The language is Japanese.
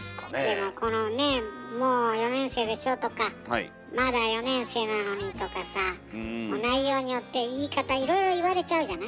でもこのね「もう４年生でしょ」とか「まだ４年生なのに」とかさ内容によって言い方いろいろ言われちゃうじゃない？